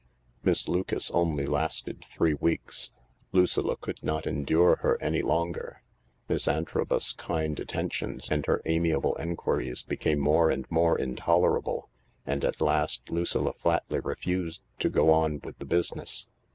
Miss Lucas only lasted three weeks. Lucilla could not endure her any longer. Miss Antrobus's kind attentions and her amiable enquiries became more and more intolerable, and at last Lucilla flatly refused to go on with the business.